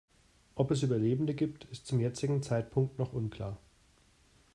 Ob es Überlebende gibt, ist zum jetzigen Zeitpunkt noch unklar.